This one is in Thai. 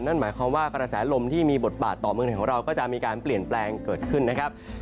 นั่นหมายความว่ากระแสลมที่มีบทบาทต่อเมืองไทยของเราก็จะมีการเปลี่ยนแปลงเกิดขึ้นนะครับ